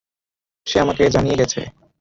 সে আমাকে জানিয়ে গেছে।